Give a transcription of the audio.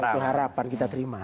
itu harapan kita terima